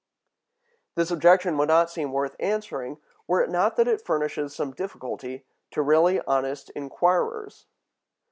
This objection would not seem worth answering, were it not that it furnishes some difficulty to really honest inquirers.